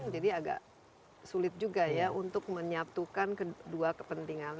jadi agak sulit juga ya untuk menyatukan kedua kepentingan